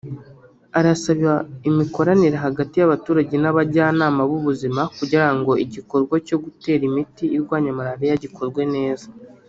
arasaba imikoranire hagati y’abaturage n’abajyanama b’ubuzima kugirango igikorwa cyo gutera imiti irwanya malariya gikorwe neza